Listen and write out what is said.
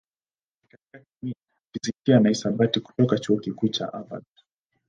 katika kemia, fizikia na hisabati kutoka Chuo Kikuu cha Harvard.